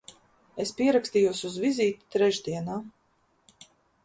Es pierakstījos uz vizīti trešdienā.